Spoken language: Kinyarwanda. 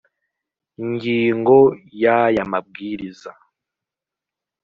ngingo y’aya mabwiriza